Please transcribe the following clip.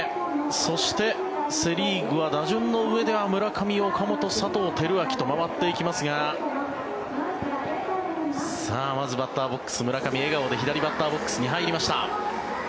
そして、セ・リーグは打順のうえでは村上、岡本、佐藤輝明と回っていきますがまずバッターボックス、村上笑顔で左バッターボックスに入りました。